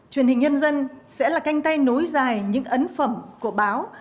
truyền hình nhân dân sẽ là canh tay nối dài những ấn phẩm của báo